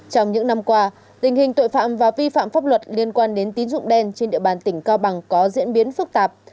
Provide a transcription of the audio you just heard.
trong những năm qua tình hình tội phạm và vi phạm pháp luật liên quan đến tín dụng đen trên địa bàn tỉnh cao bằng có diễn biến phức tạp